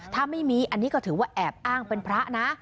ถ้าไม่มีอันนี้ก็ถือว่าแอบอ้างเป็นพระนะ